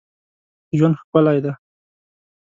ژوند ښکلی دی